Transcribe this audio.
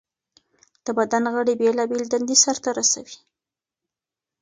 د بدن غړي بېلابېلې دندې سرته رسوي.